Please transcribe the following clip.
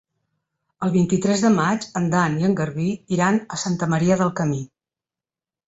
El vint-i-tres de maig en Dan i en Garbí iran a Santa Maria del Camí.